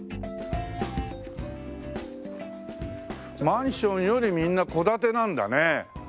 マンションよりみんな戸建てなんだね。